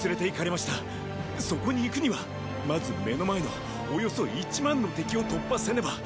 そこに行くにはまず目の前のおよそ一万の敵を突破せねば。